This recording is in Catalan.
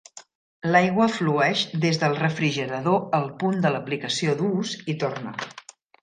L'aigua flueix des del refrigerador al punt de l'aplicació d'ús i torna.